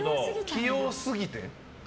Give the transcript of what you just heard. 器用すぎて？